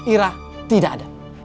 ira tidak ada